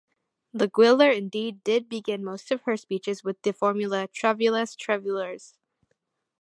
Laguiller indeed did begin most of her speeches with the formula, "Travailleuses, travailleurs!".